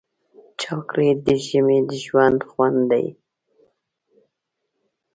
چاکلېټ د ژمي د شپو خوند دی.